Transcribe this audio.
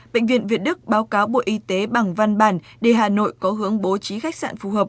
bệnh viện việt đức báo cáo bộ y tế bằng văn bản để hà nội có hướng bố trí khách sạn phù hợp